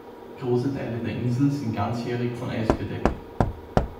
Große Teile der Insel sind ganzjährig von Eis bedeckt.